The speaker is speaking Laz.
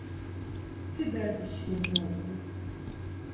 Si derdiçkimi mot zdim.